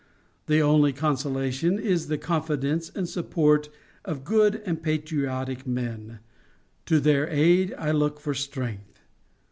The only consolation is the confidence and support of good and patriotic men; to their aid I look for strength.